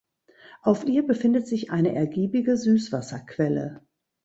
Auf ihr befindet sich eine ergiebige Süßwasserquelle.